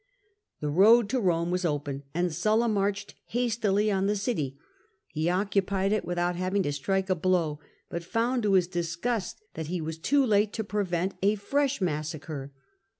The road to Eome was open, and Sulla marched hastily on the city : he occupied it without having to strike a blow, but found to his dis gust that he was too late to prevent a fresh massacre.